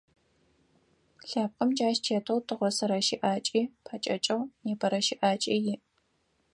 Лъэпкъым джащ тетэу тыгъосэрэ щыӏакӏи пэкӏэкӏыгъ, непэрэ щыӏакӏи иӏ.